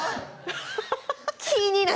気になる。